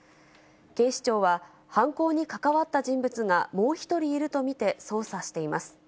警視庁は、犯行に関わった人物が、もう１人いると見て、捜査しています。